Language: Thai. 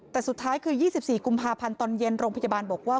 แต่สุดท้ายคือ๒๔กุมภาพันธ์ตอนเย็นโรงพยาบาลบอกว่า